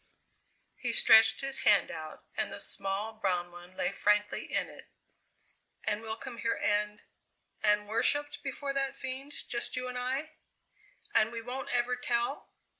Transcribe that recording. He stretched his hand out, and the small, brown one lay frankly in it. "And we'll come here and and worship before that fiend, just you and I? And we won't ever tell?"